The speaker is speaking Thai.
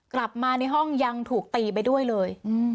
กลับมาในห้องยังถูกตีไปด้วยเลย